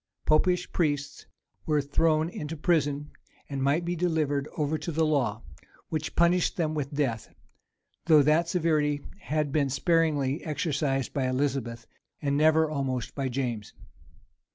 Popish priests were thrown into prison, and might be delivered over to the law, which punished them with death; though that severity had been sparingly exercised by Elizabeth, and never almost by James.